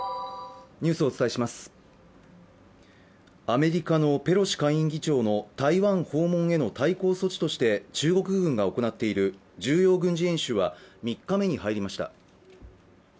アメリカのペロシ下院議長の台湾訪問への対抗措置として中国軍が行っている重要軍事演習は３日目に入りました。